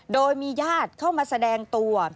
โดยมีญาติเข้ามาแสดงตัว